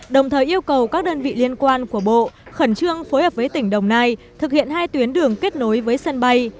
đồng thời yêu cầu các đơn vị liên quan của bộ khẩn trương phối hợp với tỉnh đồng nai thực hiện hai tuyến đường kết nối với sân bay